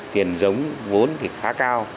tiền giống vốn thì khá cao